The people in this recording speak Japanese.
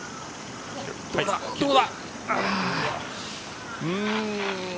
どうだ？